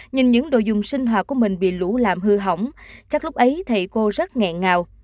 nhìn những đồ dùng sinh hoạt của mình bị lũ làm hư hỏng chắc lúc ấy thầy cô rất nghẹn ngào